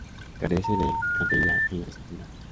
Carece de cantería en las esquinas.